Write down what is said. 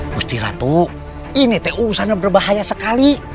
gusti ratu ini teh urusannya berbahaya sekali